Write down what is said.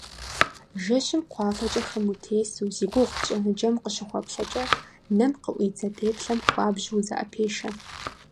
Жэщым кхъуафэкӀэ хым утесу, зи гугъу тщӀы ныджэм укъыщыхуэплъэкӀэ, нэм къыӀуидзэ теплъэм хуабжьу узэӀэпешэ.